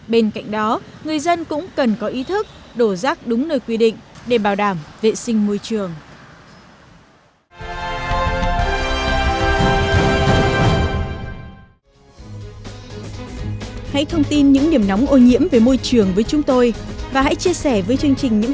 bên cạnh đó người dân cũng cần có ý thức đổ rác đúng nơi quy định để bảo đảm vệ sinh môi trường